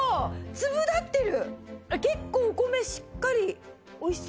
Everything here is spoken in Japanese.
粒が立ってる！